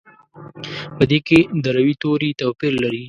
په دې کې د روي توري توپیر لري.